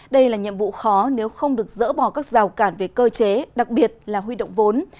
đây là nhiệm vụ khó nếu không được dỡ bỏ các rào cản về cơ chế đặc biệt là huy động vốn